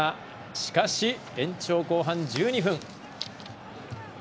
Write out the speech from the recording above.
しかし、延長前半１２分。